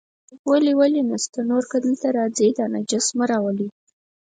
ولې ولې نشته، نور که دلته راځئ، دا نجس مه راولئ.